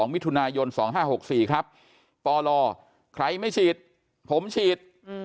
มิถุนายน๒๕๖๔ครับปลใครไม่ฉีดผมฉีด